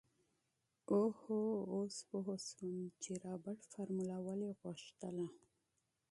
اوهوهو اوس پو شوم چې رابرټ فارموله ولې غوښتله.